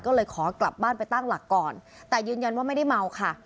ก็เลยขอกลับบ้านไปตั้งหลักก่อนแต่ยืนยันว่าไม่ได้เมาค่ะ